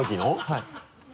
はい。